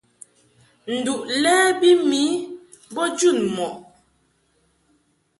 Nduʼ lɛ bi mi bo jun mɔʼ.